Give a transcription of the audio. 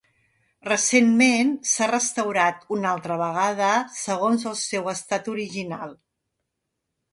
Recentment, s'ha restaurat una altra vegada segons el seu estat original.